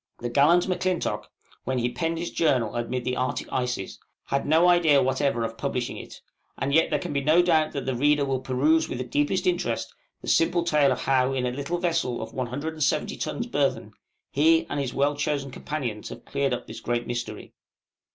The gallant M'Clintock, when he penned his journal amid the Arctic ices, had no idea whatever of publishing it; and yet there can be no doubt that the reader will peruse with the deepest interest the simple tale of how, in a little vessel of 170 tons burthen, he and his well chosen companions have cleared up this great mystery.